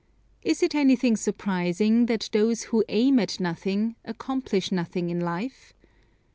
Is it anything surprising that those who aim at nothing, accomplish nothing in life?